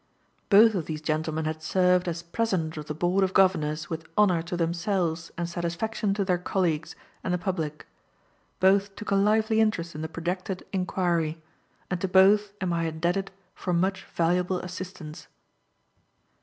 Both of these gentlemen had served as President of the Board of Governors with honor to themselves and satisfaction to their colleagues and the public; both took a lively interest in the projected inquiry, and to both am I indebted for much valuable assistance.